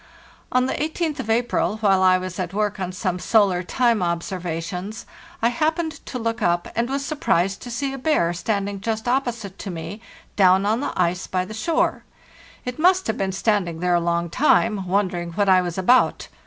On the 18th of April, while I was at work on some solar time observations, I happened to look up, and was surprised to see a bear standing just opposite to me down on the ice by the shore. It must have been stand ing there a long time, wondering what I was about.